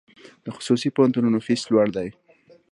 د خصوصي پوهنتونونو فیس لوړ دی؟